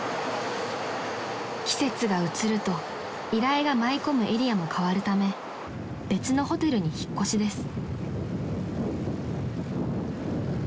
［季節が移ると依頼が舞い込むエリアも変わるため別のホテルに引っ越しです］